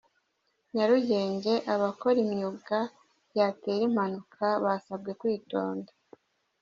Nyarugenge Abakora imyuga yatera impanuka basabwe kwitonda